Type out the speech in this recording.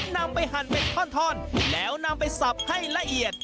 นำไปหั่นเป็นท่อนแล้วนำไปสับให้ละเอียด